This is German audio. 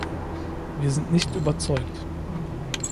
Wir sind nicht überzeugt.